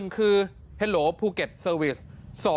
๑คือเฮโลภูเก็ตเซอร์วิส